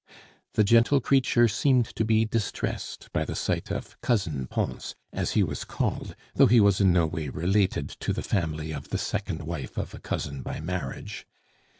The gentle creature seemed to be distressed by the sight of Cousin Pons, as he was called (though he was in no way related to the family of the second wife of a cousin by marriage).